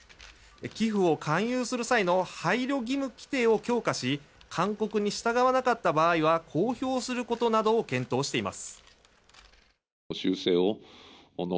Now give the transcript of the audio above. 寄付を勧誘する際の配慮義務規定を強化し勧告に従わなかった場合は公表することなどを検討しています。